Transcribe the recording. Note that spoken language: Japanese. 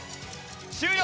終了。